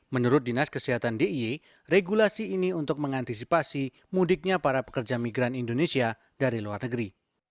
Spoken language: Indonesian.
menurut dinas kesehatan d i e regulasi ini untuk mengantisipasi mudiknya para pekerja migran indonesia dari luar negeri